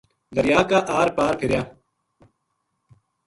دریا کے اُرار پار پھِریا